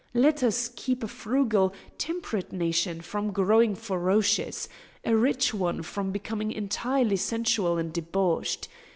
Letters keep a frugal, temperate nation from growing ferocious, a rich one from becoming entirely sensual and debauched.